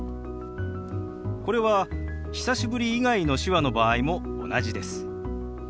これは「久しぶり」以外の手話の場合も同じです。